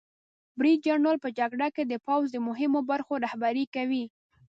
برید جنرال په جګړه کې د پوځ د مهمو برخو رهبري کوي.